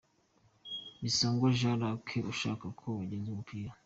Bisangwa Jean Luc ashaka uko yagenza umupira .